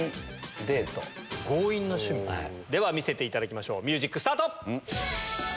では見せていただきましょうミュージックスタート！